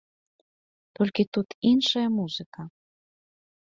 Толькі тут іншая музыка.